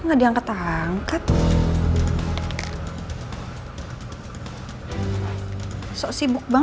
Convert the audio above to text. terima kasih ma